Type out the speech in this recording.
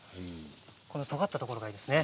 このとがったところがいいですね。